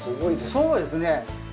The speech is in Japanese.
そうですね。